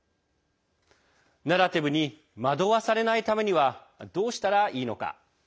ナラティブに惑わされないためにはどうしたらいいのか。